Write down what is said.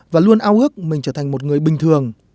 và luôn ao ước mình trở thành một người bình thường